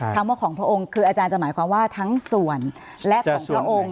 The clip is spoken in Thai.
คำว่าของพระองค์คืออาจารย์จะหมายความว่าทั้งส่วนและของพระองค์